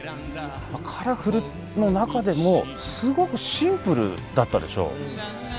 カラフルの中でもすごくシンプルだったでしょう。